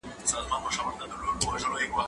زه مخکي کتابونه وړلي وو.